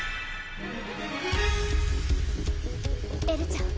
エルちゃん